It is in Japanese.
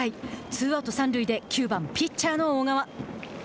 ツーアウト、三塁で９番ピッチャーの小川。